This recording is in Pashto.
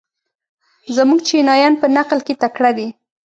زموږ چینایان په نقل کې تکړه دي.